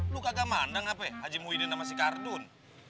luka gak mandang apa ya haji muhyiddin sama si kardun